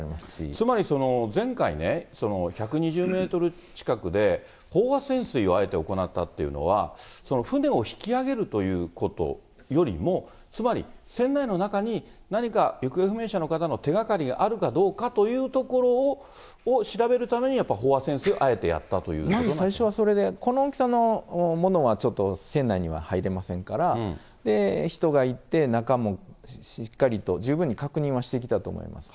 つまり前回ね、１２０メートル近くで飽和潜水をあえて行ったっていうのは、船を引き揚げるということよりも、つまり船内の中に何か行方不明者の方の手がかりがあるかどうかというところを調べるために、やっぱり飽和潜水を、まず最初はそれで、この大きさのものはちょっと船内には入れませんから、人が行って、中もしっかりと、十分に確認はしてきたと思います。